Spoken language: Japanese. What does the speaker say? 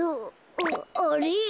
あっあれ？